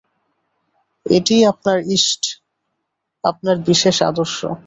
এটিই আপনার ইষ্ট, আপনার বিশেষ আদর্শ।